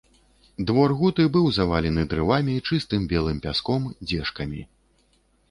Двор гуты быў завалены дрывамі, чыстым белым пяском, дзежкамі.